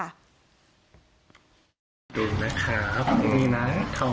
ที่เราให้ดูคลิปนี้ก่อน